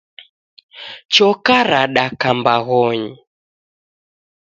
Choka radaka mbaghonyi